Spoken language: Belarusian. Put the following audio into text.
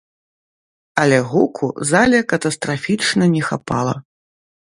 Але гуку зале катастрафічна не хапала.